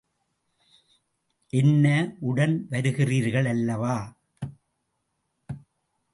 என்ன, உடன் வருகிறீர்கள் அல்லவா?